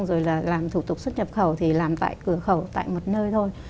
rồi là làm thủ tục xuất nhập khẩu thì làm tại cửa khẩu tại một nơi thôi